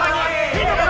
hidup rambut semangat